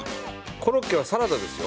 コロッケはサラダですよ。